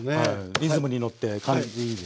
リズムに乗って感じでいいですねえ。